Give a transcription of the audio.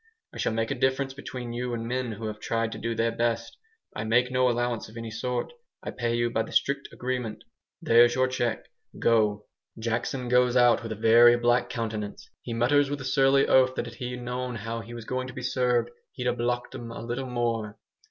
I shall make a difference between you and men who have tried to do their best. I make you no allowance of any sort, I pay you by the strict agreement. There's your cheque. Go!" Jackson goes out with a very black countenance. He mutters with a surly oath that if "he'd known how he was going to be served he'd ha' 'blocked' 'em a little more."